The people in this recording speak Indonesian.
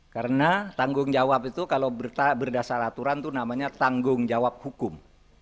karena tanggung jawab itu kalau berdasar aturan itu namanya tanggung jawab hukum